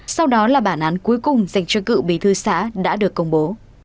sau đó là bản án cuối cùng dành cho cựu bí thư xã đã được công bố